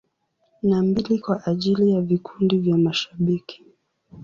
Na mbili kwa ajili ya vikundi vya mashabiki.